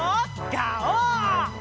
ガオー！